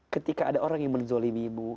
ketika ada orang yang menzolimi